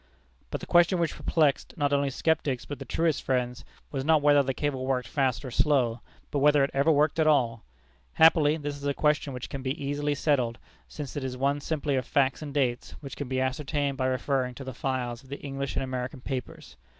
But the question which perplexed not only skeptics, but the truest friends, was not whether the cable worked fast or slow, but whether it ever worked at all. Happily, this is a question which can easily be settled, since it is one simply of facts and dates, which can be ascertained by referring to the files of the English and American papers.